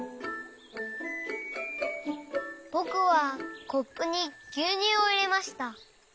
ぼくはコップにぎゅうにゅうをいれました。